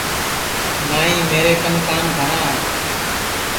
نائی میرے کن کام گھٹؔا ہے